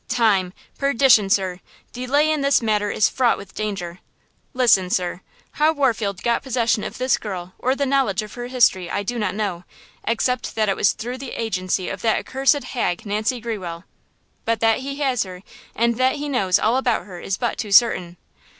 "Time! perdition, sir! Delay in this matter is fraught with danger! Listen, sir! How Warfield got possession of this girl or the knowledge of her history I do not know, except that it was through the agency of that accursed hag Nancy Grewell. But that he has her and that he knows all about her is but too certain.